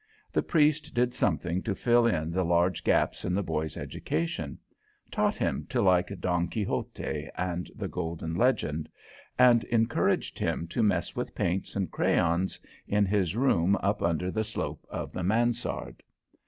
The priest did something to fill in the large gaps in the boy's education, taught him to like "Don Quixote" and "The Golden Legend," and encouraged him to mess with paints and crayons in his room up under the slope of the mansard.